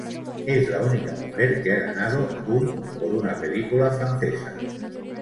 Es la única mujer que ha ganado un por una película francesa.